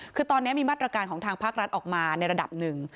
คือตอนนี้มีมาตรการของทางภาครัฐออกมาในระดับหนึ่ง